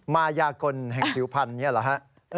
มายากลแห่งผิวพันธุ์นี้เหรอฮะ